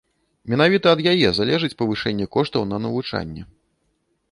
Менавіта ад яе залежыць павышэнне коштаў на навучанне.